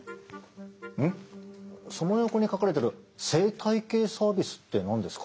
その横に書かれてる「生態系サービス」って何ですか？